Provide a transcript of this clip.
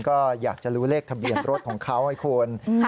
ก็อยากจะรู้เลขทะเบียนรถของเขาให้คุณ